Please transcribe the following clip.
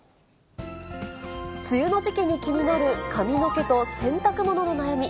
梅雨の時期に気になる髪の毛と洗濯物の悩み。